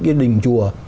như đình chùa